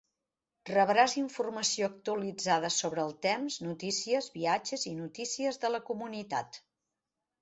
Rebràs informació actualitzada sobre el temps, notícies, viatges i noticies de la comunitat.